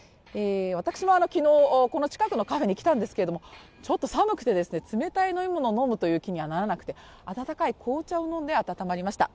私も昨日、この近くのカフェに来たんですけれども寒くて冷たい飲み物飲むという気にはならなくて温かい紅茶を飲んで温まりました。